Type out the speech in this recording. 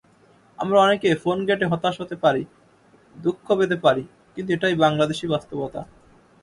আমরা অনেকে ফোনগেটে হতাশ হতে পারি, দুঃখ পেতে পারি কিন্তু এটাই বাংলাদেশি বাস্তবতা।